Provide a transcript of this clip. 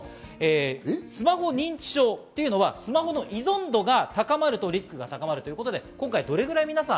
スマホ認知症というのはスマホの依存度が高まるとリスクが高まるということで、どれぐらい皆さん